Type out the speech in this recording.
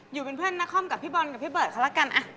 อยู่เป็นเพื่อนนครกับพี่บอลกับพี่เบิร์ดเขาละกัน